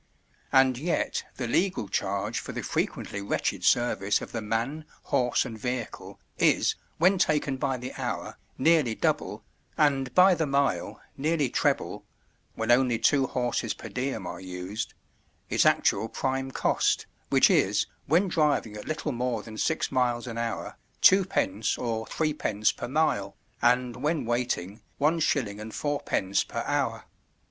And yet the legal charge for the frequently wretched service of the man, horse, and vehicle is, when taken by the hour, nearly double, and by the mile, nearly treble—when only two horses per diem are used—its actual prime cost, which is, when driving at little more than six miles an hour, 2d. or 3d. per mile, and when waiting, 1s. 4d. per hour.